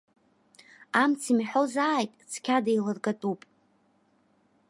Амц имҳәозааит, цқьа деилыргатәуп.